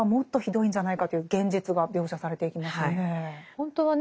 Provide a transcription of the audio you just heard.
本当はね